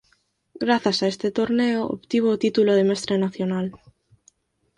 Grazas a este torneo obtivo o título de mestre nacional.